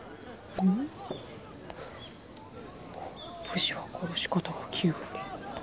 「武士は殺し方が９割」。